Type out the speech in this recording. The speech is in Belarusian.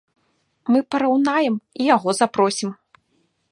Мы параўнаем, і яго запросім!